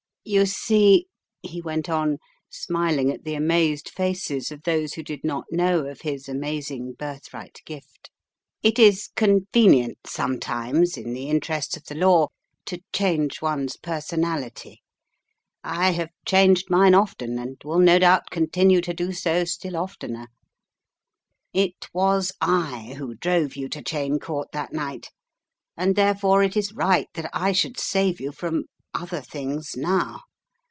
"You see," he went on, smiling at the amazed faces of those who did not know of his amazing birthright gift, "it is con venient sometimes, in the interests of the law, to change one's personality. I have changed mine often, and will no doubt continue to do so still of tener. It was I who drove you to Cheyne Court that night, and therefore it is right that I should save you from — other things — now.